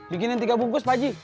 bikinin tiga bungkus pak ji